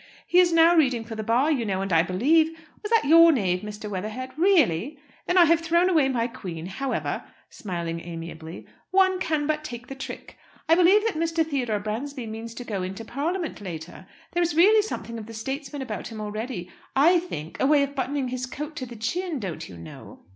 He is now reading for the Bar, you know, and I believe Was that your knave, Mr. Weatherhead? Really! Then I have thrown away my queen. However," smiling amiably, "one can but take the trick. I believe that Mr. Theodore Bransby means to go into Parliament later. There is really something of the statesman about him already, I think a way of buttoning his coat to the chin, don't you know?"